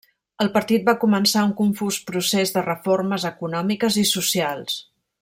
El partit va començar un confús procés de reformes econòmiques i socials.